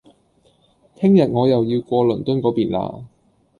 聽日我又要過倫敦個邊喇